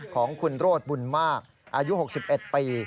ของคุณโรธบุญมากอายุ๖๑ปี